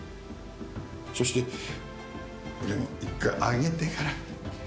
そして１回上げてから。